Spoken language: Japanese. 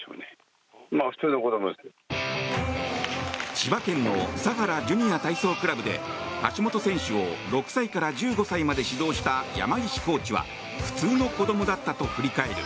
千葉県の佐原ジュニア体操クラブで橋本選手を６歳から１５歳まで指導した山岸コーチは普通の子どもだったと振り返る。